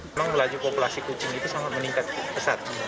memang melaju populasi kucing itu sangat meningkat pesat